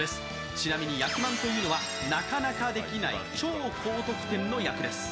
ちなみに役満というのは、なかなかできない超高得点の役です。